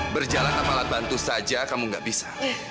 berjalan apalah bantu saja kamu nggak bisa